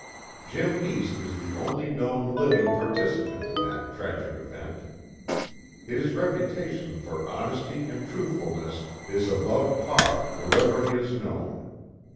Jim East is the only known living participant in that tragic event. His reputation for honesty and truthfulness is above par wherever he is known.